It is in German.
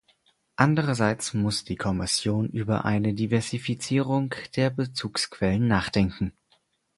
Andererseits muss die Kommission über eine Diversifizierung der Bezugsquellen nachdenken.